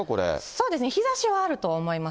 そうですね、日ざしはあると思います。